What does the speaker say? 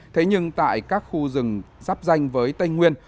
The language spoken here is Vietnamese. thế nhưng tại các khu rừng giáp danh với tây nguyên